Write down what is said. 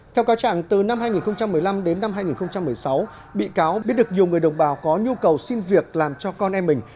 theo cáo trạng từ năm hai nghìn một mươi năm đến năm hai nghìn một mươi sáu bị cáo biết được nhiều người đồng bào có nhu cầu xin việc làm cho con em mình